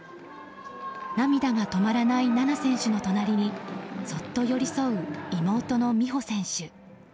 涙が止まらない菜那選手の隣にそっと寄り添う妹の美帆選手。